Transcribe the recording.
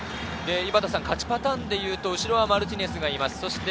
勝ちパターンでいうと後ろはマルティネスがいます。